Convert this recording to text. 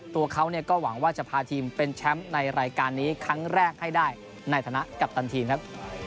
ตัวเขาก็หวังว่าจะพาทีมเป็นแชมป์ในรายการนี้ครั้งแรกให้ได้ในฐานะกัปตันทีมครับ